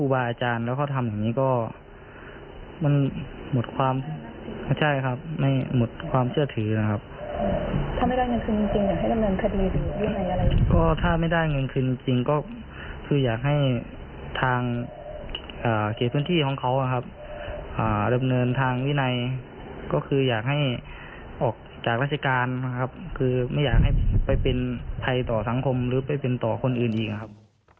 ไปเป็นใครต่อสังคมหรือไปเป็นต่อคนอื่นอีกนะครับ